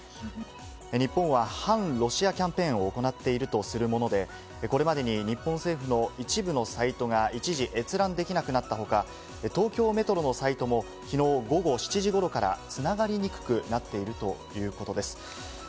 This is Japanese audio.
日本は反ロシアキャンペーンを行っているとするもので、これまでに日本政府の一部のサイトが一時閲覧できなくなったほか、東京メトロのサイトも昨日午後７時頃からつながりにくくなっているということです。